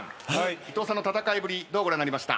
伊藤さんの戦いぶりどうご覧になりました？